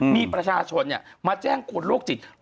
มีประชาชนมาแจ้งคนโรคจิต